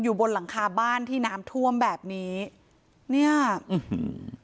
บนหลังคาบ้านที่น้ำท่วมแบบนี้เนี้ยอื้อหือ